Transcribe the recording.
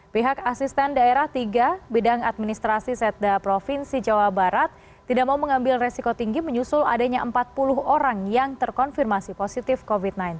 pihak asisten daerah tiga bidang administrasi setda provinsi jawa barat tidak mau mengambil resiko tinggi menyusul adanya empat puluh orang yang terkonfirmasi positif covid sembilan belas